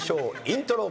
イントロ。